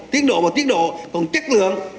tiến độ và tiến độ còn chất lượng